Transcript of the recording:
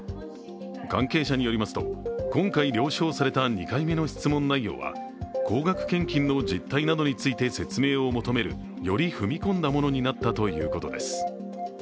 関係者によりますと今回了承された２回目の質問内容は高額献金の実態などについて説明を求めるより踏み込んだものになったということです。